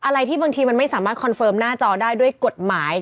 อะไรที่บางทีมันไม่สามารถคอนเฟิร์มหน้าจอได้ด้วยกฎหมาย